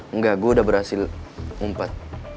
enggak gue udah berhasil umpet